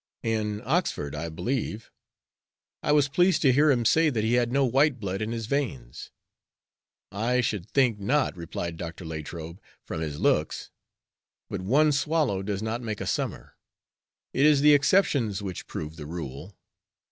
"In Oxford, I believe. I was pleased to hear him say that he had no white blood in his veins." "I should think not," replied Dr. Latrobe, "from his looks. But one swallow does not make a summer. It is the exceptions which prove the rule."